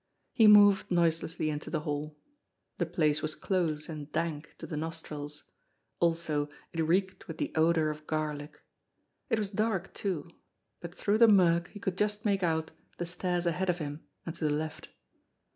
He moved noiselessly into the hall. The place was close and dank to the nostrils; also it reeked with the odour of garlic. It was dark, too ; but through the murk he could just make out the stairs ahead of him and to the left.